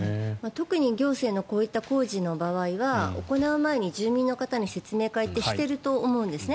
特に行政のこういった工事の場合は行う前に住民の方に説明会ってしていると思うんですね。